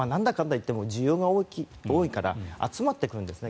いっても需要が大きいから集まってくるんですね。